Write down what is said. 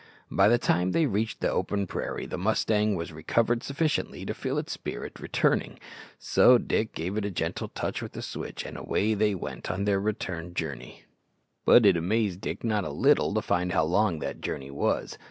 By the time they reached the open prairie the mustang was recovered sufficiently to feel its spirit returning, so Dick gave it a gentle touch with the switch, and away they went on their return journey. But it amazed Dick not a little to find how long that journey was.